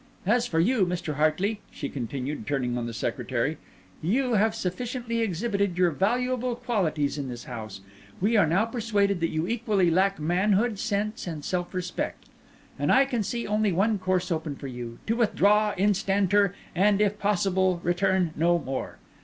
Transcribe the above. As for you, Mr. Hartley," she continued, turning on the secretary, "you have sufficiently exhibited your valuable qualities in this house; we are now persuaded that you equally lack manhood, sense, and self respect; and I can see only one course open for you—to withdraw instanter, and, if possible, return no more.